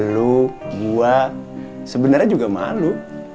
lu gue sebenarnya juga malu